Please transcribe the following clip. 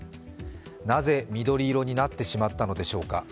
なぜ緑色になってしまったのでしょうか。